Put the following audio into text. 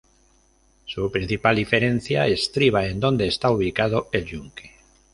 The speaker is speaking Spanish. Su principal diferencia estriba en dónde está ubicado el "yunque".